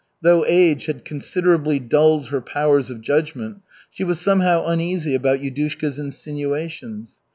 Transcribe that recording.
Though age had considerably dulled her powers of judgment, she was somehow uneasy about Yudushka's insinuations.